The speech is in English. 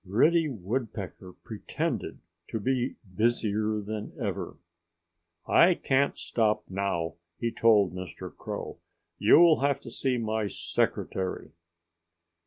Reddy Woodpecker pretended to be busier than ever. "I can't stop now," he told Mr. Crow. "You'll have to see my secretary."